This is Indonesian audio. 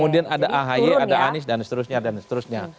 dan seterusnya ada anies dan seterusnya